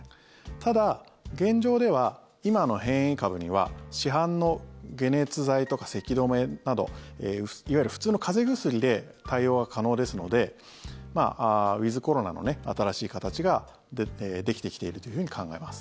ただ、現状では今の変異株には市販の解熱剤とかせき止めなどいわゆる普通の風邪薬で対応が可能ですのでウィズコロナの新しい形ができてきているというふうに考えます。